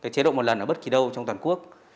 chế độ một lần ở bất kỳ đâu trong toàn quốc